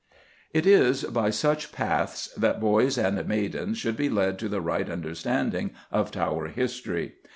It is by such paths that boys and maidens should be led to the right understanding of Tower history.